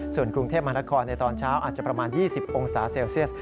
ส่วนกรุงเทพมหานครในตอนเช้าอาจจะประมาณ๒๐องศาเซลเซียส